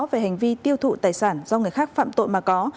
về hành vi tiêu thụ tài sản do người khác phạm tội mà có